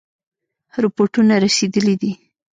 رپوټونه رسېدلي دي.